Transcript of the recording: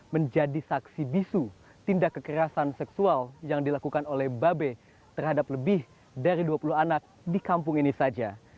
menjadi saksi bisu tindak kekerasan seksual yang dilakukan oleh babe terhadap lebih dari dua puluh anak di kampung ini saja